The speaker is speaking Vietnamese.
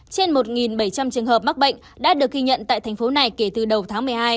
trên một bảy trăm linh trường hợp mắc bệnh đã được ghi nhận tại thành phố này kể từ đầu tháng một mươi hai